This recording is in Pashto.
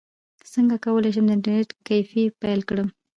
څنګه کولی شم د انټرنیټ کیفې پیل کړم